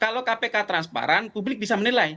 kalau kpk transparan publik bisa menilai